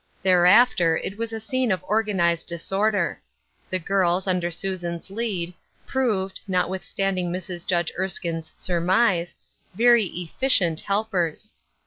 Thereafter it was a scene of organized disorder. The girls, under Susan's lead, proved, notwith standing Mrs. Judge Erskine's surmise, ver^ " efficient " helpers.